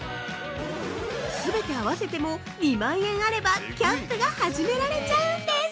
すべて合わせても２万円あればキャンプが始められちゃうんです。